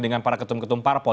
dengan para ketum ketum parpol